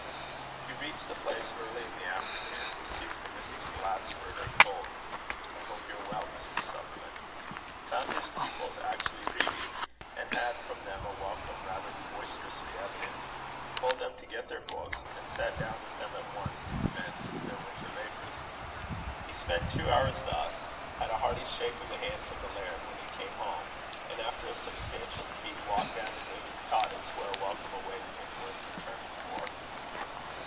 He reached the place early in the afternoon; received from Mrs. Glasford a cold "I hope you're well, Mr. Sutherland;" found his pupils actually reading, and had from them a welcome rather boisterously evidenced; told them to get their books; and sat down with them at once to commence their winter labours. He spent two hours thus; had a hearty shake of the hand from the laird, when he came home; and, after a substantial tea, walked down to David's cottage, where a welcome awaited him worth returning for.